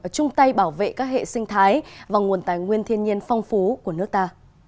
chung tay bảo vệ các hệ sinh thái và nguồn tài nguyên thiên nhiên phong phú của nước ta